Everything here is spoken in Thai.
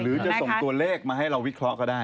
หรือจะส่งตัวเลขมาให้เราวิเคราะห์ก็ได้